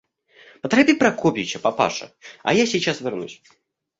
Поторопи Прокофьича, папаша, а я сейчас вернусь.